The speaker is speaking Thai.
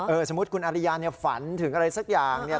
สมมุติคุณอริยาเนี่ยฝันถึงอะไรสักอย่างเนี่ย